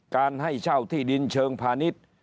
ให้เช่าที่ดินเชิงพาณิชย์